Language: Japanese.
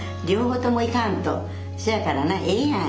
せやからなええやん。